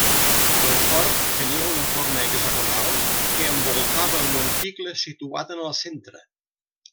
El fort tenia una forma hexagonal que envoltava el monticle situat en el centre.